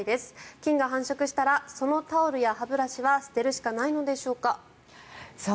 菌が繁殖したらそのタオルや歯ブラシは捨てるしかないのでしょうか。